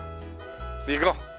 行こう。